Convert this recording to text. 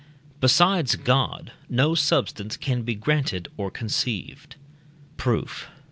Besides God no substance can be granted or conceived. Proof.